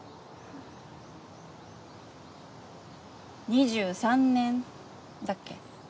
２３年だっけ？